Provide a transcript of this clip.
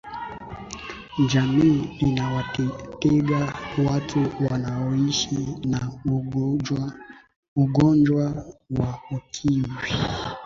jamii inawatenga watu wanaoishi na ugonjwa wa ukimwi